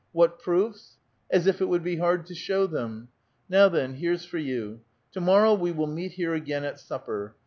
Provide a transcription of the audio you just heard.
What proofs? As if it would be hard to show them. Now, then, here's for you : to morrow we will meet here again at supper.